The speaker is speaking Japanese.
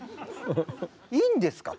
「いいんですか？